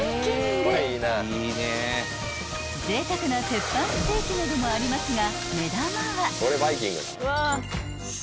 ［ぜいたくな鉄板ステーキなどもありますが］